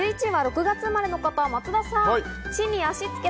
１１位は６月生まれの方、松田さん。